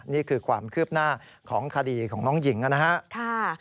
นี่คือความคืบหน้าของคดีของน้องหญิงนะครับ